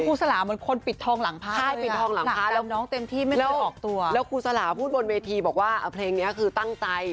คู่สลามันคนปิดทองหลังพาเลย